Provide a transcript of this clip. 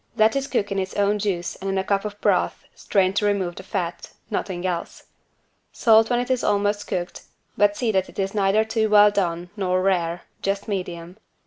Let it cook in its own juice and in a cup of broth strained to remove the fat; nothing else. Salt when it is almost cooked, but see that it is neither too well done nor rare, just medium.